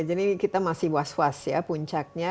jadi kita masih was was ya puncaknya